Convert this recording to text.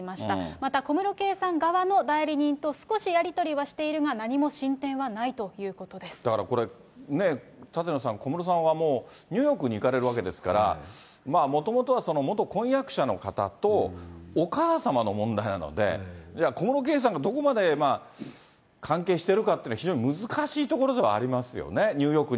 また小室圭さん側の代理人と少しやり取りはしているが、何も進展だからこれ、舘野さん、小室さんはもうニューヨークに行かれるわけですから、もともとは元婚約者の方とお母様の問題なので、じゃあ、小室圭さんがどこまで関係しているかっていうのは、非常に難しいところではありますよね。